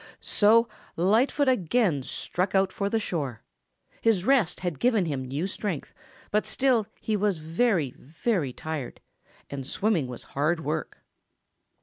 So Lightfoot again struck out for the shore. His rest had given him new strength, but still he was very, very tired and swimming was hard work.